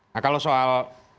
nah kalau soal